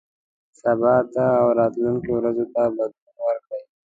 سبا ته او راتلونکو ورځو ته بدلون ورکړئ.